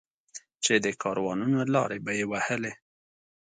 چې د کاروانونو لارې به یې وهلې.